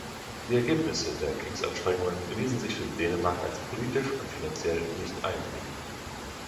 Die Ergebnisse der Kriegsanstrengungen erwiesen sich für Dänemark als politisch und finanziell nicht einträglich.